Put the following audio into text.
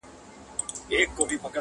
چي ژړل به یې ویلې به یې ساندي!.